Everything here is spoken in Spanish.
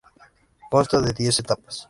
Consta de diez etapas.